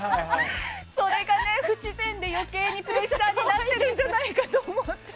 それがね、不自然で余計にプレッシャーになってるんじゃないかと思って。